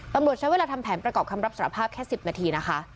ตำรวจใช้เวลาทำแผนประกอบคำรับสารภาพแค่๑๐นาทีนะคะ